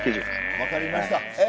分かりました。